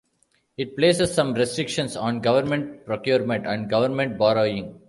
It places some restrictions on government procurement and government borrowing.